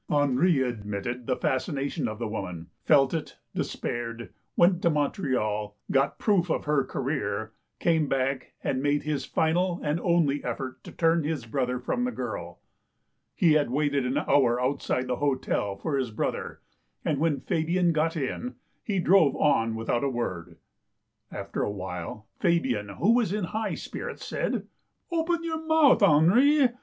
Henri admitted the fascination of the woman, felt it, despaired, went to Montreal, got proof of her career, came back, and made his final and only effort to turn his brother from the girl. He had waited an hour outside the hotel for his brother, and when Fabian got in, he drove on without a word. After a while, Fabian, who was in high spirits, said :" Open your mouth, Henri.